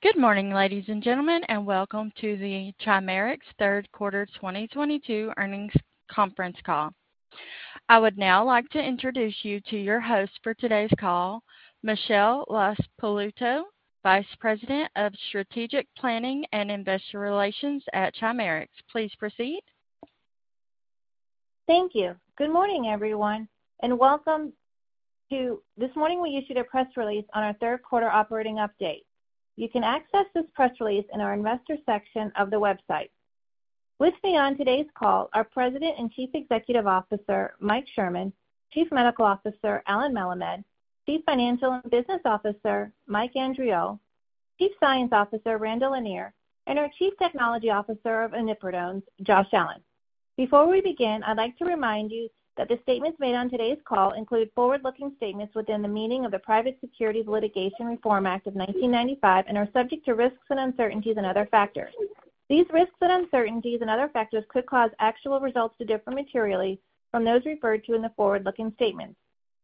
Good morning, ladies and gentlemen, and welcome to the Chimerix third quarter 2022 earnings conference call. I would now like to introduce you to your host for today's call, Michelle LaSpaluto, Vice President of Strategic Planning and Investor Relations at Chimerix. Please proceed. Thank you. Good morning, everyone, and welcome. This morning, we issued a press release on our third quarter operating update. You can access this press release in our investor section of the website. With me on today's call are President and Chief Executive Officer, Mike Sherman, Chief Medical Officer, Allen Melemed, Chief Financial and Business Officer, Mike Andriole, Chief Science Officer, Randall Lanier, and our Chief Technology Officer, Josh Allen. Before we begin, I'd like to remind you that the statements made on today's call include forward-looking statements within the meaning of the Private Securities Litigation Reform Act of 1995 and are subject to risks and uncertainties and other factors. These risks and uncertainties and other factors could cause actual results to differ materially from those referred to in the forward-looking statements.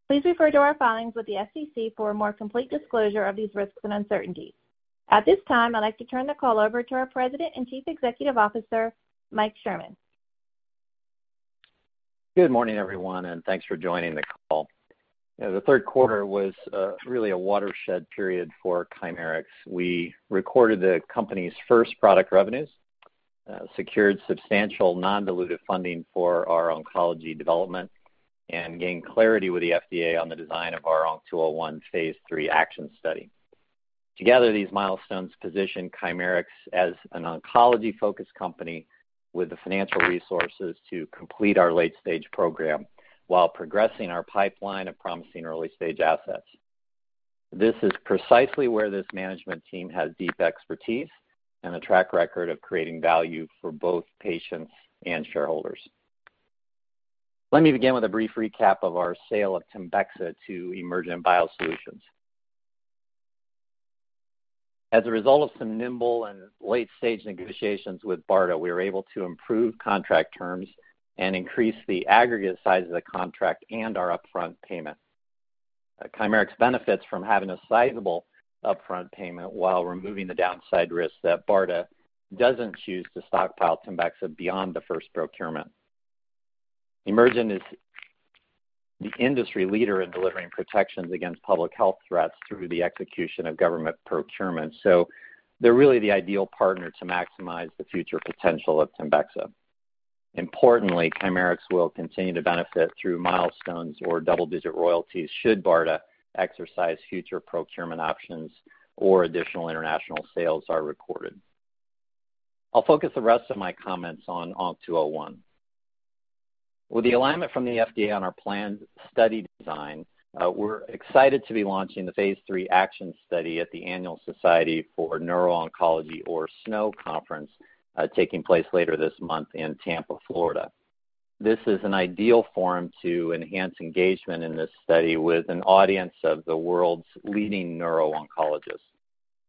Please refer to our filings with the SEC for a more complete disclosure of these risks and uncertainties. At this time, I'd like to turn the call over to our President and Chief Executive Officer, Mike Sherman. Good morning, everyone, and thanks for joining the call. You know, the third quarter was really a watershed period for Chimerix. We recorded the company's first product revenues, secured substantial non-dilutive funding for our oncology development, and gained clarity with the FDA on the design of our ONC201 phase III ACTION study. Together, these milestones position Chimerix as an oncology-focused company with the financial resources to complete our late-stage program while progressing our pipeline of promising early-stage assets. This is precisely where this management team has deep expertise and a track record of creating value for both patients and shareholders. Let me begin with a brief recap of our sale of TEMBEXA to Emergent BioSolutions. As a result of some nimble and late-stage negotiations with BARDA, we were able to improve contract terms and increase the aggregate size of the contract and our upfront payment. Chimerix benefits from having a sizable upfront payment while removing the downside risk that BARDA doesn't choose to stockpile TEMBEXA beyond the first procurement. Emergent BioSolutions is the industry leader in delivering protections against public health threats through the execution of government procurement, so they're really the ideal partner to maximize the future potential of TEMBEXA. Importantly, Chimerix will continue to benefit through milestones or double-digit royalties should BARDA exercise future procurement options or additional international sales are recorded. I'll focus the rest of my comments on ONC201. With the alignment from the FDA on our planned study design, we're excited to be launching the phase III ACTION study at the Annual Society for Neuro-Oncology or SNO conference taking place later this month in Tampa, Florida. This is an ideal forum to enhance engagement in this study with an audience of the world's leading neuro-oncologists.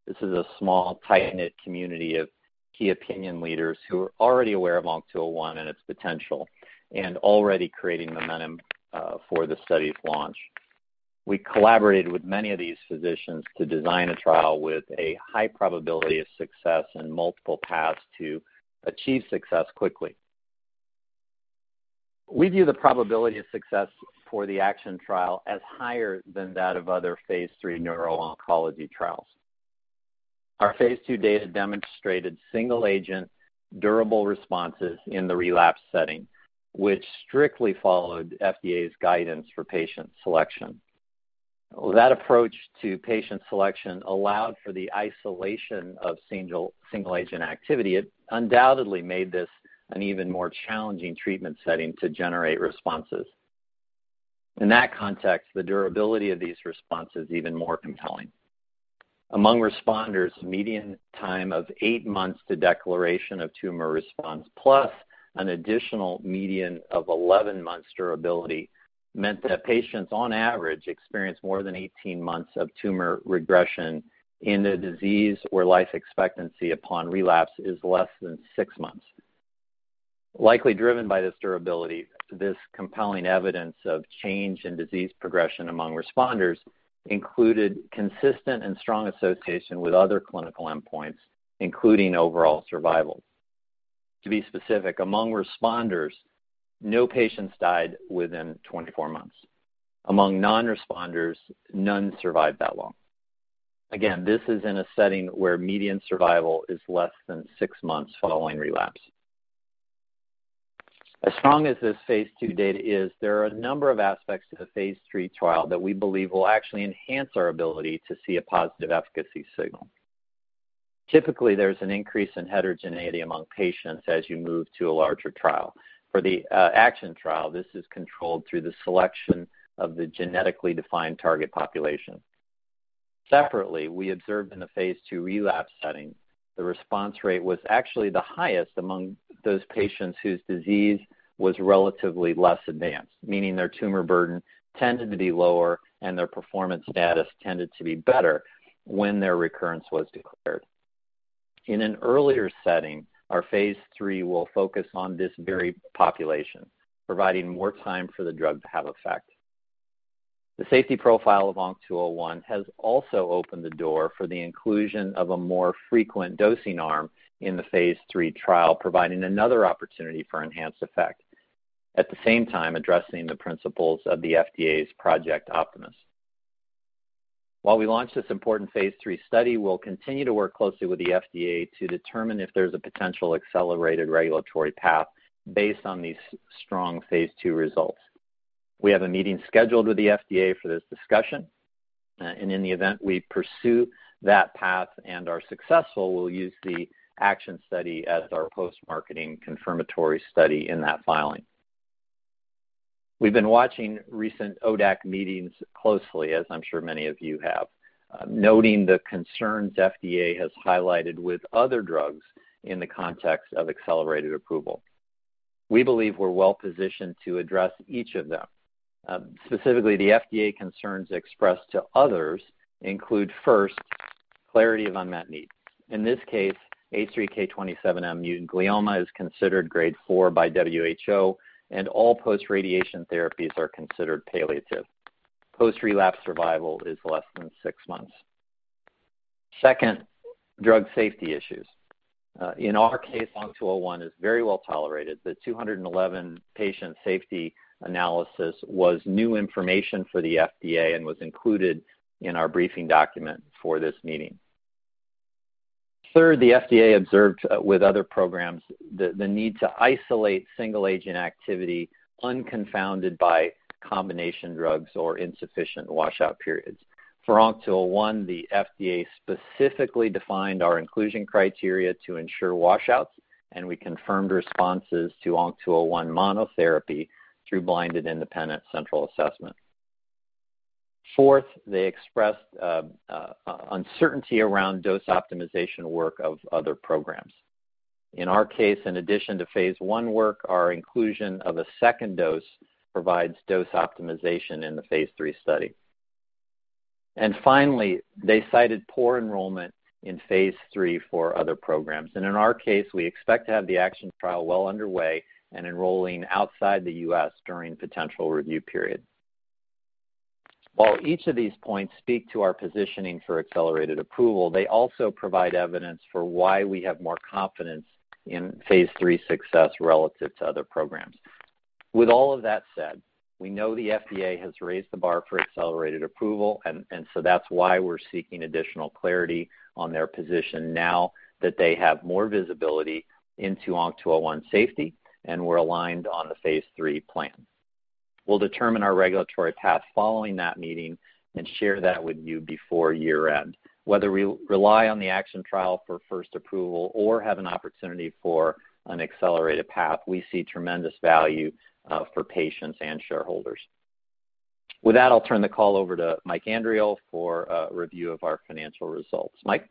This is a small, tight-knit community of key opinion leaders who are already aware of ONC201 and its potential and already creating momentum for the study's launch. We collaborated with many of these physicians to design a trial with a high probability of success and multiple paths to achieve success quickly. We view the probability of success for the ACTION trial as higher than that of other phase III neuro-oncology trials. Our phase II data demonstrated single-agent durable responses in the relapse setting, which strictly followed FDA's guidance for patient selection. That approach to patient selection allowed for the isolation of single-agent activity. It undoubtedly made this an even more challenging treatment setting to generate responses. In that context, the durability of these responses is even more compelling. Among responders, median time of eight months to declaration of tumor response, plus an additional median of 11 months durability meant that patients on average experienced more than 18 months of tumor regression in a disease where life expectancy upon relapse is less than six months. Likely driven by this durability, this compelling evidence of change in disease progression among responders included consistent and strong association with other clinical endpoints, including overall survival. To be specific, among responders, no patients died within 24 months. Among non-responders, none survived that long. Again, this is in a setting where median survival is less than six months following relapse. As strong as this phase II data is, there are a number of aspects to the phase III trial that we believe will actually enhance our ability to see a positive efficacy signal. Typically, there's an increase in heterogeneity among patients as you move to a larger trial. For the ACTION trial, this is controlled through the selection of the genetically defined target population. Separately, we observed in the phase II relapse setting, the response rate was actually the highest among those patients whose disease was relatively less advanced, meaning their tumor burden tended to be lower and their performance status tended to be better when their recurrence was declared. In an earlier setting, our phase III will focus on this very population, providing more time for the drug to have effect. The safety profile of ONC201 has also opened the door for the inclusion of a more frequent dosing arm in the phase III trial, providing another opportunity for enhanced effect, at the same time addressing the principles of the FDA's Project Optimus. While we launch this important phase III study, we'll continue to work closely with the FDA to determine if there's a potential accelerated regulatory path based on these strong phase II results. We have a meeting scheduled with the FDA for this discussion, and in the event we pursue that path and are successful, we'll use the ACTION study as our post-marketing confirmatory study in that filing. We've been watching recent ODAC meetings closely, as I'm sure many of you have, noting the concerns FDA has highlighted with other drugs in the context of accelerated approval. We believe we're well-positioned to address each of them. Specifically, the FDA concerns expressed to others include, first, clarity of unmet needs. In this case, H3K27M mutant glioma is considered grade IV by WHO, and all post-radiation therapies are considered palliative. Post-relapse survival is less than six months. Second, drug safety issues. In our case, ONC201 is very well tolerated. The 211 patient safety analysis was new information for the FDA and was included in our briefing document for this meeting. Third, the FDA observed with other programs the need to isolate single agent activity unconfounded by combination drugs or insufficient washout periods. For ONC201, the FDA specifically defined our inclusion criteria to ensure washouts, and we confirmed responses to ONC201 monotherapy through blinded independent central assessment. Fourth, they expressed uncertainty around dose optimization work of other programs. In our case, in addition to phase I work, our inclusion of a second dose provides dose optimization in the phase III study. Finally, they cited poor enrollment in phase III for other programs. In our case, we expect to have the ACTION trial well underway and enrolling outside the U.S. during potential review period. While each of these points speak to our positioning for accelerated approval, they also provide evidence for why we have more confidence in phase III success relative to other programs. With all of that said, we know the FDA has raised the bar for accelerated approval and so that's why we're seeking additional clarity on their position now that they have more visibility into ONC201 safety, and we're aligned on the phase III plan. We'll determine our regulatory path following that meeting and share that with you before year-end. Whether we rely on the ACTION trial for first approval or have an opportunity for an accelerated path, we see tremendous value for patients and shareholders. With that, I'll turn the call over to Mike Andriole for a review of our financial results. Mike?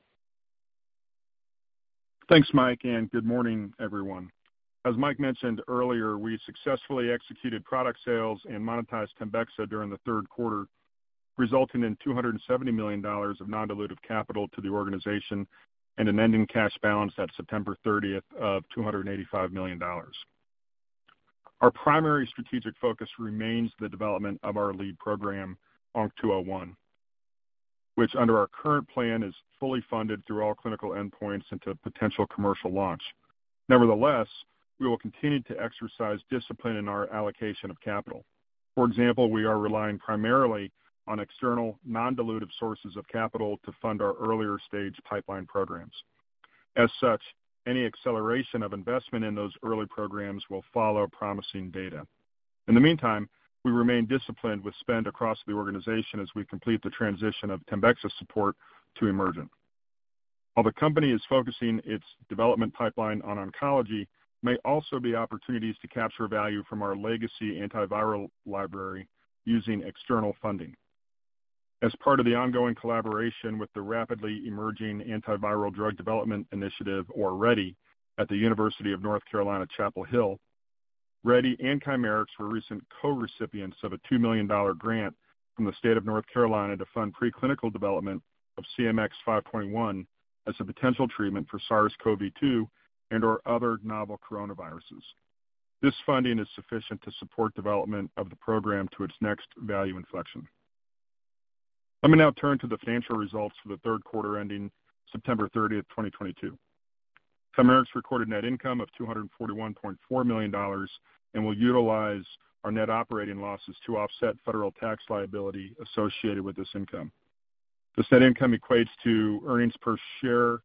Thanks, Mike, and good morning, everyone. As Mike mentioned earlier, we successfully executed product sales and monetized TEMBEXA during the third quarter, resulting in $270 million of non-dilutive capital to the organization and an ending cash balance at September 30 of $285 million. Our primary strategic focus remains the development of our lead program, ONC201, which under our current plan is fully funded through all clinical endpoints into potential commercial launch. Nevertheless, we will continue to exercise discipline in our allocation of capital. For example, we are relying primarily on external non-dilutive sources of capital to fund our earlier stage pipeline programs. As such, any acceleration of investment in those early programs will follow promising data. In the meantime, we remain disciplined with spend across the organization as we complete the transition of TEMBEXA support to Emergent. While the company is focusing its development pipeline on oncology, there may also be opportunities to capture value from our legacy antiviral library using external funding. As part of the ongoing collaboration with the Rapidly Emerging Antiviral Drug Development Initiative, or READDI, at the University of North Carolina at Chapel Hill, READDI and Chimerix were recent co-recipients of a $2 million grant from the state of North Carolina to fund preclinical development of CMX521 as a potential treatment for SARS-CoV-2 and/or other novel coronaviruses. This funding is sufficient to support development of the program to its next value inflection. Let me now turn to the financial results for the third quarter ending September 30, 2022. Chimerix recorded net income of $241.4 million and will utilize our net operating losses to offset federal tax liability associated with this income. The said income equates to earnings per share,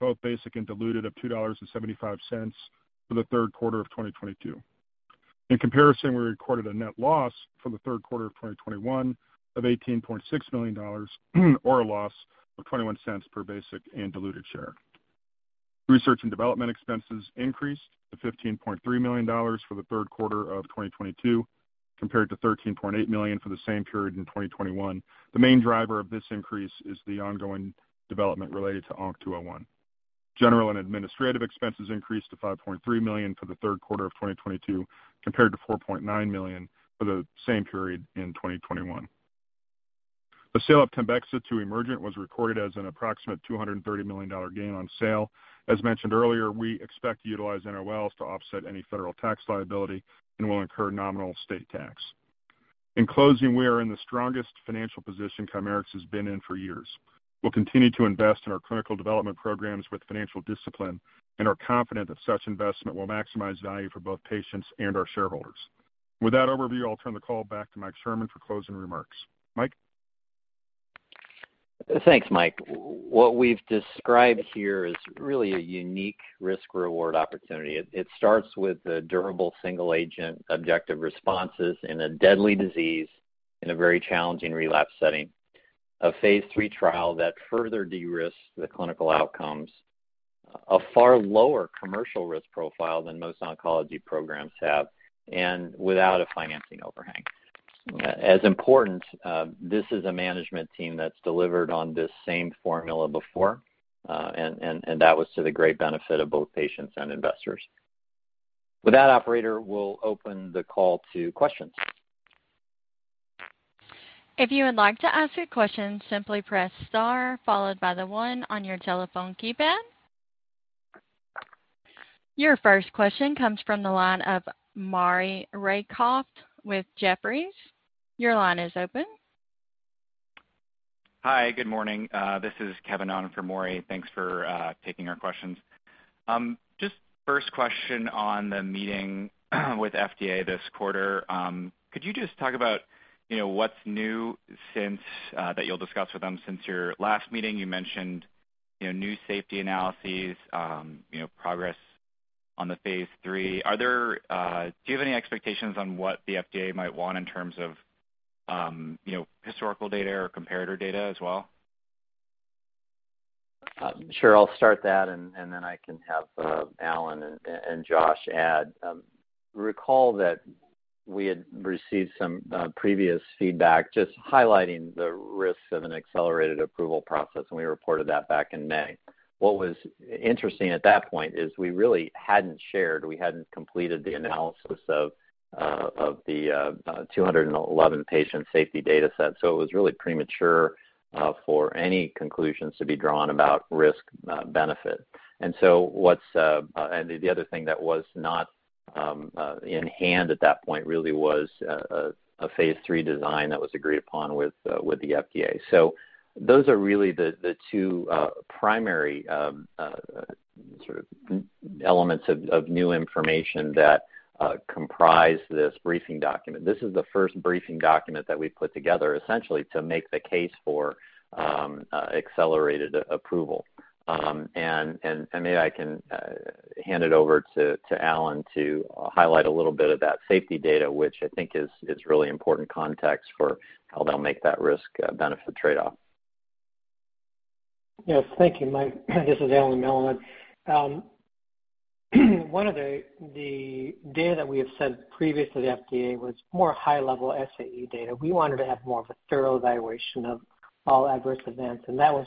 both basic and diluted, of $2.75 for the third quarter of 2022. In comparison, we recorded a net loss for the third quarter of 2021 of $18.6 million or a loss of $0.21 per basic and diluted share. Research and development expenses increased to $15.3 million for the third quarter of 2022, compared to $13.8 million for the same period in 2021. The main driver of this increase is the ongoing development related to ONC201. General and administrative expenses increased to $5.3 million for the third quarter of 2022, compared to $4.9 million for the same period in 2021. The sale of TEMBEXA to Emergent was recorded as an approximate $230 million gain on sale. As mentioned earlier, we expect to utilize NOLs to offset any federal tax liability and will incur nominal state tax. In closing, we are in the strongest financial position Chimerix has been in for years. We'll continue to invest in our clinical development programs with financial discipline and are confident that such investment will maximize value for both patients and our shareholders. With that overview, I'll turn the call back to Mike Sherman for closing remarks. Mike? Thanks, Mike. What we've described here is really a unique risk-reward opportunity. It starts with the durable single-agent objective responses in a deadly disease in a very challenging relapse setting. A phase III trial that further de-risks the clinical outcomes, a far lower commercial risk profile than most oncology programs have, and without a financing overhang. As important, this is a management team that's delivered on this same formula before, and that was to the great benefit of both patients and investors. With that, operator, we'll open the call to questions. If you would like to ask a question, simply press star followed by the one on your telephone keypad. Your first question comes from the line of Maury Raycroft with Jefferies. Your line is open. Hi, good morning. This is Kevin on for Maury. Thanks for taking our questions. Just first question on the meeting with FDA this quarter. Could you just talk about, you know, what's new since that you'll discuss with them since your last meeting? You mentioned, you know, new safety analyses, you know, progress on the phase III. Are there, do you have any expectations on what the FDA might want in terms of, you know, historical data or comparator data as well? Sure. I'll start that and then I can have Alan and Josh add. Recall that we had received some previous feedback just highlighting the risks of an accelerated approval process, and we reported that back in May. What was interesting at that point is we really hadn't shared, we hadn't completed the analysis of the 211 patient safety data set. It was really premature for any conclusions to be drawn about risk benefit. The other thing that was not in hand at that point really was a phase III design that was agreed upon with the FDA. Those are really the two primary sort of elements of new information that comprise this briefing document. This is the first briefing document that we've put together essentially to make the case for accelerated approval. Maybe I can hand it over to Allen to highlight a little bit of that safety data, which I think is really important context for how they'll make that risk-benefit trade-off. Yes. Thank you, Mike. This is Allen Melemed. One of the data that we have sent previously to FDA was more high level SAE data. We wanted to have more of a thorough evaluation of all adverse events, and that was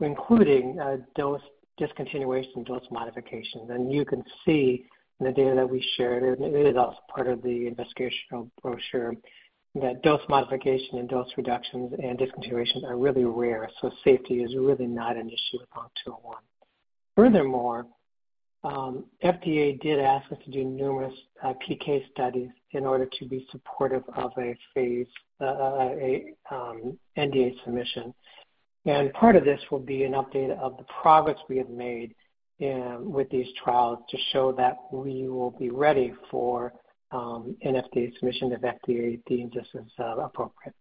including dose discontinuation, dose modifications. You can see in the data that we shared, and it is also part of the investigational brochure, that dose modification and dose reductions and discontinuations are really rare, so safety is really not an issue with ONC201. Furthermore, FDA did ask us to do numerous PK studies in order to be supportive of a phase NDA submission. Part of this will be an update of the progress we have made with these trials to show that we will be ready for an FDA submission of FDA deemed as appropriate.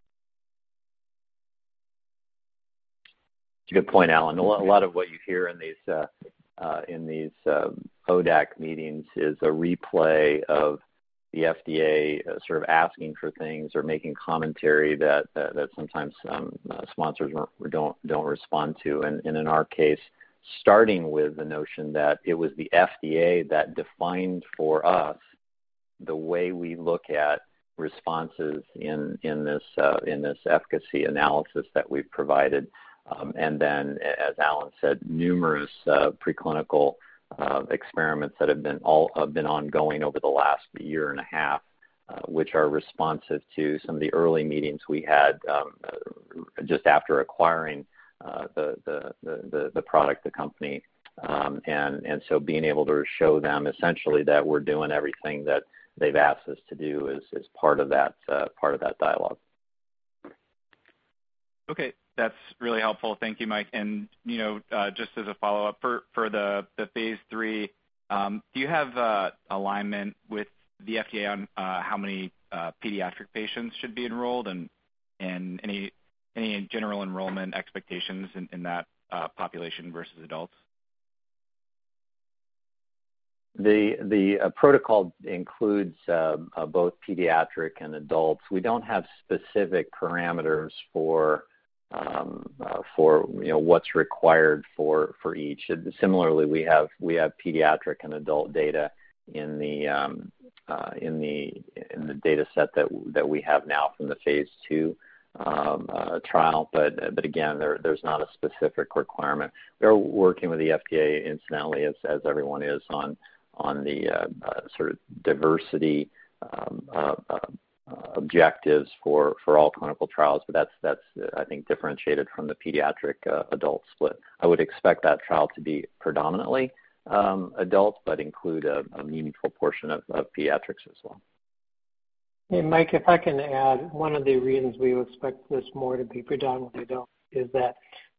It's a good point, Allen. A lot of what you hear in these ODAC meetings is a replay of the FDA sort of asking for things or making commentary that sometimes sponsors don't respond to. In our case, starting with the notion that it was the FDA that defined for us the way we look at responses in this efficacy analysis that we've provided. As Allen said, numerous preclinical experiments that have been ongoing over the last year and a half, which are responsive to some of the early meetings we had just after acquiring the product, the company. Being able to show them essentially that we're doing everything that they've asked us to do is part of that dialogue. Okay. That's really helpful. Thank you, Mike. You know, just as a follow-up, for the phase III, do you have alignment with the FDA on how many pediatric patients should be enrolled? Any general enrollment expectations in that population versus adults? The protocol includes both pediatric and adults. We don't have specific parameters for, you know, what's required for each. Similarly, we have pediatric and adult data in the data set that we have now from the phase II trial. Again, there's not a specific requirement. We're working with the FDA incidentally as everyone is on the sort of diversity of objectives for all clinical trials. That's, I think, differentiated from the pediatric adult split. I would expect that trial to be predominantly adult, but include a meaningful portion of pediatrics as well. Mike, if I can add, one of the reasons we would expect this more to be predominantly adult is that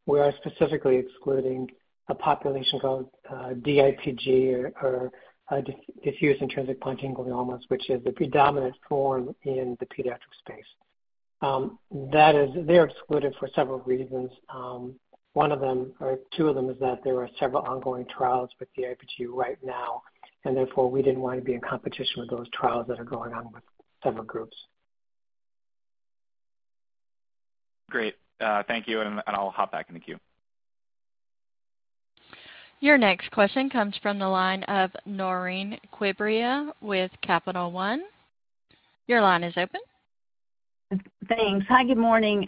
we are specifically excluding a population called DIPG or diffuse intrinsic pontine gliomas, which is the predominant form in the pediatric space. That is, they are excluded for several reasons. One of them or two of them is that there are several ongoing trials with DIPG right now, and therefore, we didn't want to be in competition with those trials that are going on with several groups. Great. Thank you, and I'll hop back in the queue. Your next question comes from the line of Naureen Quibria with Capital One. Your line is open. Thanks. Hi, good morning.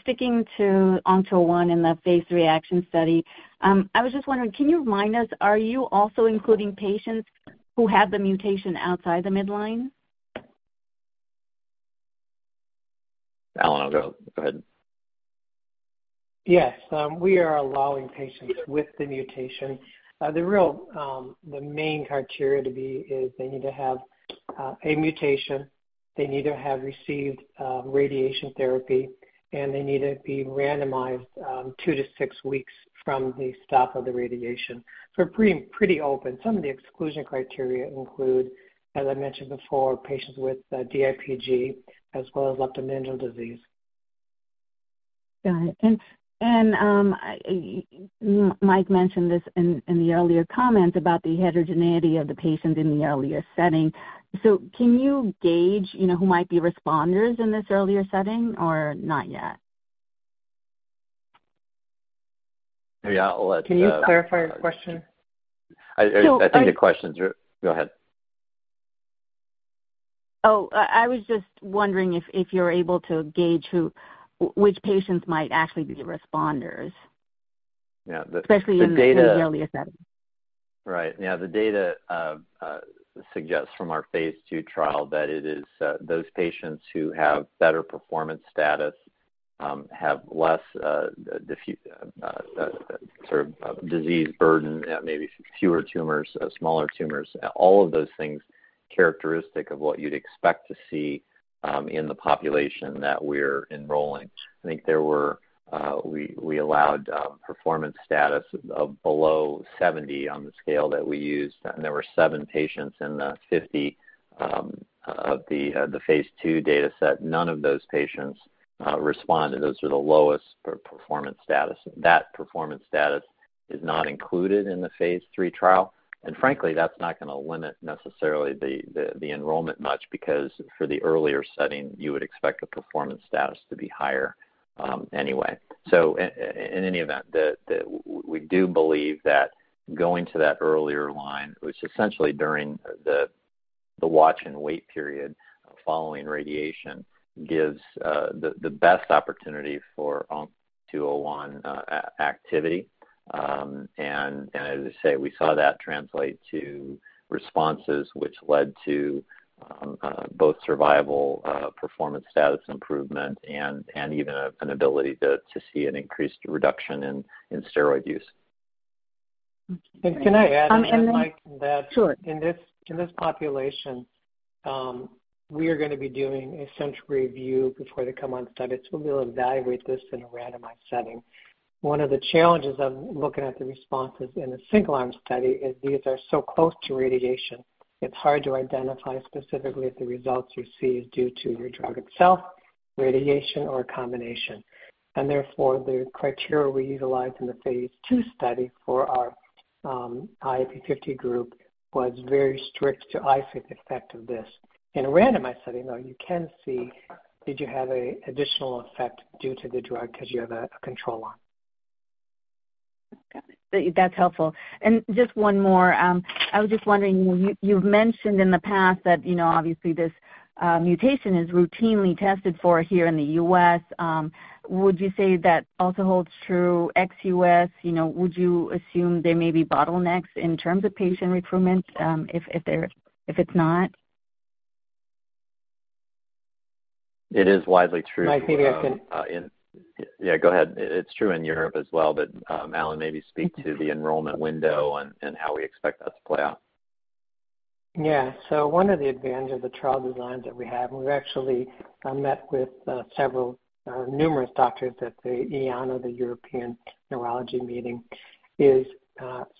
Sticking to ONC201 in the phase III ACTION study, I was just wondering, can you remind us, are you also including patients who have the mutation outside the midline? Allen, I'll go. Go ahead. Yes. We are allowing patients with the mutation. The main criteria to be is they need to have a mutation. They need to have received radiation therapy, and they need to be randomized two to six weeks from the stop of the radiation. Pretty open. Some of the exclusion criteria include, as I mentioned before, patients with DIPG as well as leptomeningeal disease. Got it. Mike mentioned this in the earlier comment about the heterogeneity of the patient in the earlier setting. Can you gauge, you know, who might be responders in this earlier setting or not yet? Yeah, I'll let. Can you clarify her question? So are- I think the question. Go ahead. I was just wondering if you're able to gauge which patients might actually be the responders? Yeah, the data. Especially in the earlier setting. Right. Yeah. The data suggests from our phase II trial that it is those patients who have better performance status have less sort of disease burden, maybe fewer tumors, smaller tumors, all of those things characteristic of what you'd expect to see in the population that we're enrolling. I think there were we allowed performance status of below 70 on the scale that we used, and there were seven patients in the 50 of the phase II dataset. None of those patients responded. Those are the lowest performance status. That performance status is not included in the phase III trial. Frankly, that's not gonna limit necessarily the enrollment much because for the earlier setting, you would expect the performance status to be higher anyway. In any event, we do believe that going to that earlier line, which essentially during the watch and wait period following radiation, gives the best opportunity for ONC201 activity. As I say, we saw that translate to responses which led to both survival performance status improvement and even an ability to see an increased reduction in steroid use. Can I add, Mike, that Sure. In this population, we are gonna be doing a central review before they come on study, so we'll evaluate this in a randomized setting. One of the challenges of looking at the responses in a single arm study is these are so close to radiation. It's hard to identify specifically if the results you see is due to your drug itself, radiation or a combination. Therefore, the criteria we utilized in the phase II study for our IIP 50 group was very strict to isolate the effect of this. In a randomized study, though, you can see if you had an additional effect due to the drug 'cause you have a control arm. Got it. That's helpful. Just one more. I was just wondering, you've mentioned in the past that, you know, obviously this, mutation is routinely tested for here in the U.S.. Would you say that also holds true ex-U.S.? You know, would you assume there may be bottlenecks in terms of patient recruitment, if it's not? It is widely true- Mike, Yeah, go ahead. It's true in Europe as well, but, Allen, maybe speak to the enrollment window and how we expect that to play out. Yeah. One of the advantages of the trial designs that we have, and we've actually met with several or numerous doctors at the EANO, or the European Neuro-Oncology meeting, is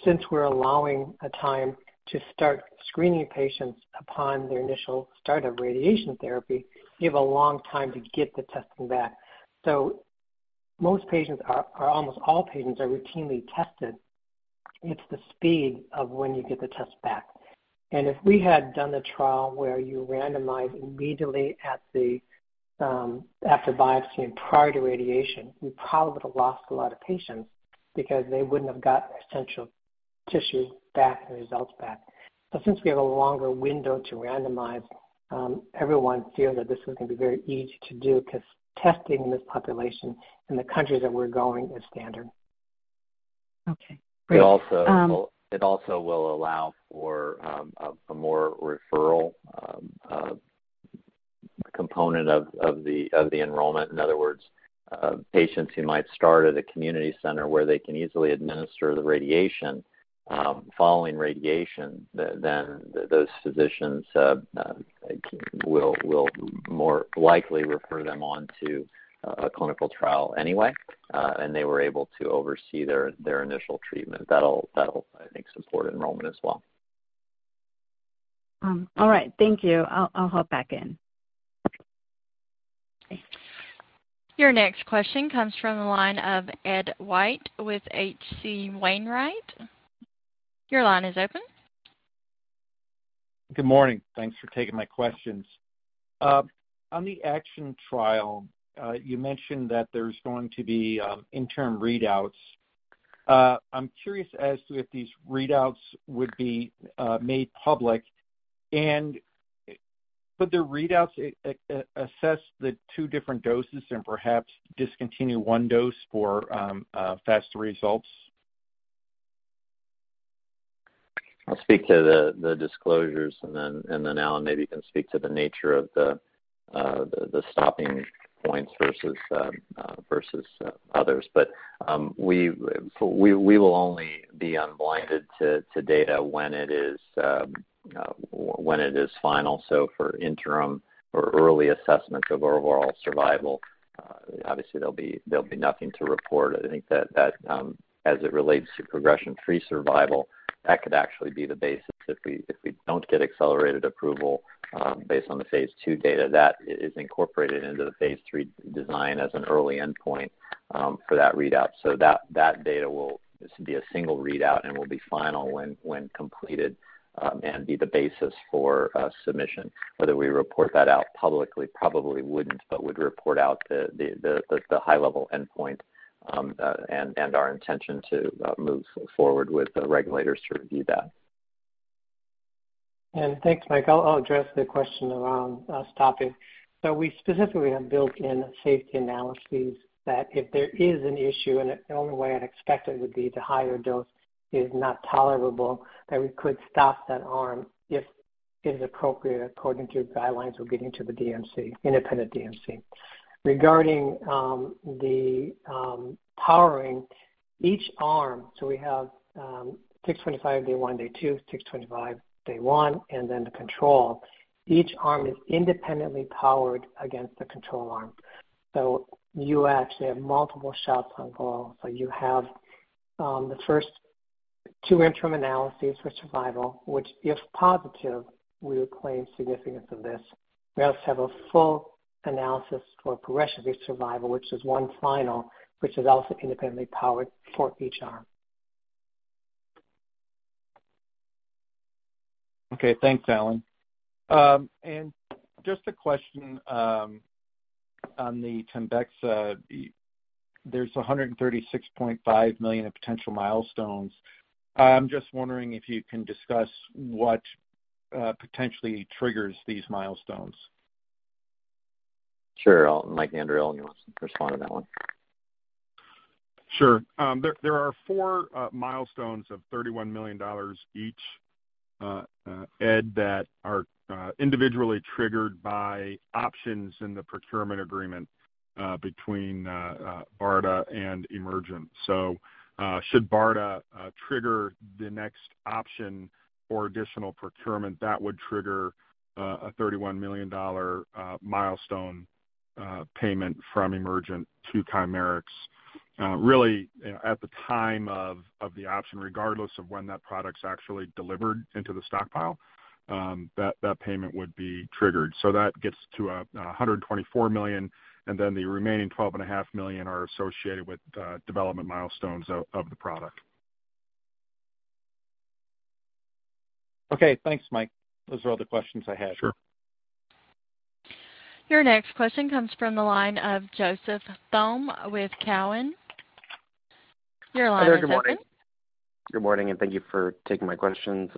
since we're allowing a time to start screening patients upon their initial start of radiation therapy, you have a long time to get the testing back. Almost all patients are routinely tested. It's the speed of when you get the test back. If we had done the trial where you randomize immediately after biopsy and prior to radiation, we probably would have lost a lot of patients because they wouldn't have got essential tissue back, the results back. Since we have a longer window to randomize, everyone feel that this is gonna be very easy to do 'cause testing this population in the countries that we're going is standard. Okay, great. It also will allow for a more referral component of the enrollment. In other words, patients who might start at a community center where they can easily administer the radiation, following radiation, then those physicians will more likely refer them on to a clinical trial anyway, and they were able to oversee their initial treatment. That'll, I think, support enrollment as well. All right. Thank you. I'll hop back in. Your next question comes from the line of Ed White with H.C. Wainwright. Your line is open. Good morning. Thanks for taking my questions. On the ACTION trial, you mentioned that there's going to be interim readouts. I'm curious as to if these readouts would be made public, and could the readouts assess the two different doses and perhaps discontinue one dose for faster results? I'll speak to the disclosures, and then Allen maybe can speak to the nature of the stopping points versus others. We will only be unblinded to data when it is final. For interim or early assessments of overall survival, obviously there'll be nothing to report. I think that as it relates to progression-free survival, that could actually be the basis if we don't get accelerated approval based on the phase II data. That is incorporated into the phase III design as an early endpoint for that readout. That data will just be a single readout and will be final when completed and be the basis for submission. Whether we report that out publicly, probably wouldn't, but would report out the high level endpoint and our intention to move forward with the regulators to review that. Thanks, Mike. I'll address the question around stopping. We specifically have built in safety analyses that if there is an issue, and the only way I'd expect it would be the higher dose is not tolerable, that we could stop that arm if it is appropriate according to guidelines we're getting to the DMC, independent DMC. Regarding the powering each arm, we have 625 day one, day two, 625 day one, and then the control. Each arm is independently powered against the control arm. You actually have multiple shots on goal. You have the first two interim analyses for survival, which if positive, we would claim significance of this. We also have a full analysis for progression-free survival, which is one final, which is also independently powered for each arm. Okay, thanks, Allen. Just a question on the TEMBEXA. There's $136.5 million of potential milestones. I'm just wondering if you can discuss what potentially triggers these milestones. Sure. Mike Andriole, you wanna respond to that one? Sure. There are four milestones of $31 million each, Ed, that are individually triggered by options in the procurement agreement between BARDA and Emergent. Should BARDA trigger the next option for additional procurement, that would trigger a $31 million milestone payment from Emergent to Chimerix. Really, at the time of the option, regardless of when that product's actually delivered into the stockpile, that payment would be triggered. That gets to $124 million, and then the remaining $12.5 million are associated with development milestones of the product. Okay, thanks, Mike. Those are all the questions I had. Sure. Your next question comes from the line of Joseph Thome with Cowen. Your line is open. Hi there. Good morning. Good morning, and thank you for taking my questions.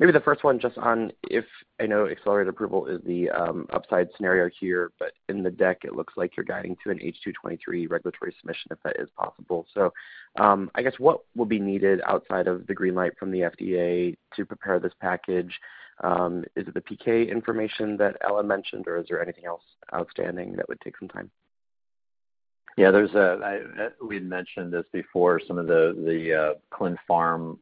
Maybe the first one just on if I know accelerated approval is the upside scenario here, but in the deck it looks like you're guiding to an H2 2023 regulatory submission, if that is possible. I guess what will be needed outside of the green light from the FDA to prepare this package? Is it the PK information that Allen mentioned, or is there anything else outstanding that would take some time? We had mentioned this before, some of the clin pharm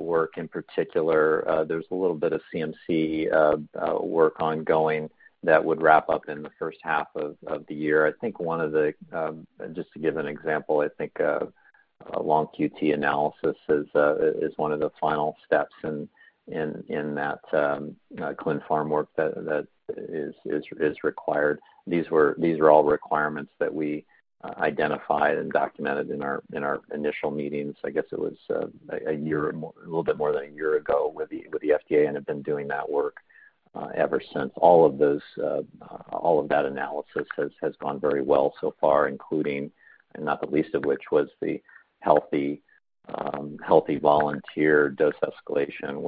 work in particular. There's a little bit of CMC work ongoing that would wrap up in the first half of the year. I think one of the, just to give an example, I think a long QT analysis is one of the final steps in that clin pharm work that is required. These are all requirements that we identified and documented in our initial meetings. I guess it was a year or more, a little bit more than a year ago with the FDA and have been doing that work ever since all of that analysis has gone very well so far, including, and not the least of which was the healthy volunteer dose escalation.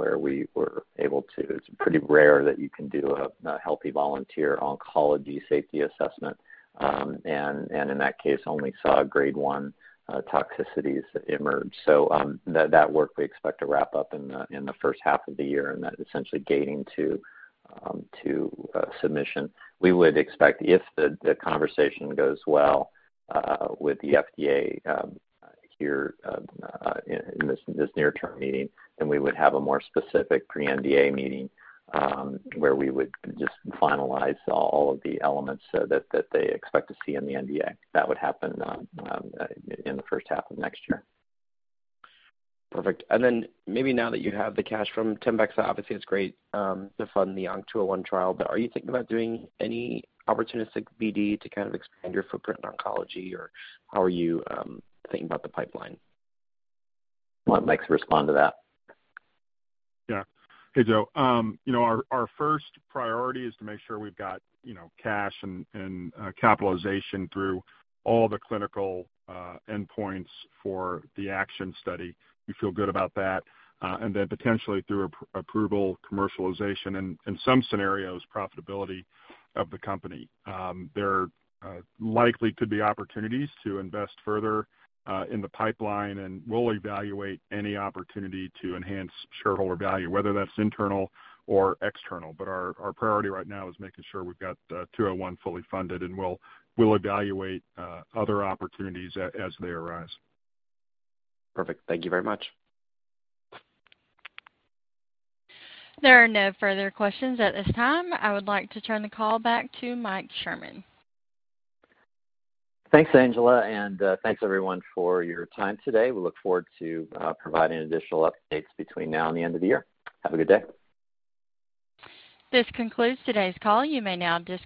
It's pretty rare that you can do a healthy volunteer oncology safety assessment. And in that case, only saw Grade one toxicities emerge. That work we expect to wrap up in the first half of the year, and that essentially gating to submission. We would expect if the conversation goes well with the FDA here in this near-term meeting, then we would have a more specific pre-NDA meeting, where we would just finalize all of the elements so that they expect to see in the NDA. That would happen in the first half of next year. Perfect. Maybe now that you have the cash from TEMBEXA, obviously it's great to fund the ONC201 trial, but are you thinking about doing any opportunistic BD to kind of expand your footprint in oncology, or how are you thinking about the pipeline? I'll let Mike respond to that. Yeah. Hey, Joe. You know, our first priority is to make sure we've got you know, cash and capitalization through all the clinical endpoints for the ACTION study. We feel good about that. Then potentially through approval, commercialization, and in some scenarios, profitability of the company. There likely could be opportunities to invest further in the pipeline, and we'll evaluate any opportunity to enhance shareholder value, whether that's internal or external. Our priority right now is making sure we've got ONC201 fully funded and we'll evaluate other opportunities as they arise. Perfect. Thank you very much. There are no further questions at this time. I would like to turn the call back to Mike Sherman. Thanks, Angela, and thanks everyone for your time today. We look forward to providing additional updates between now and the end of the year. Have a good day. This concludes today's call. You may now disconnect.